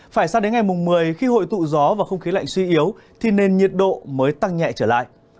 phải sang đến ngày một mươi khi hội tụ gió và không khí lạnh suy yếu thì nền nhiệt độ mới tăng nhẹ trở lại